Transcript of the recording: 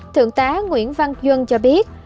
thượng tá nguyễn văn duân cho biết